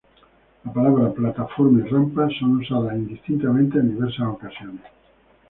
Las palabras "plataforma" y "rampa" son usadas indistintamente en diversas ocasiones.